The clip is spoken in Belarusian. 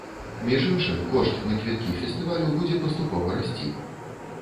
Між іншым, кошт на квіткі фестывалю будзе паступова расці.